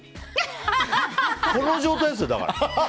この状態ですよ、だから。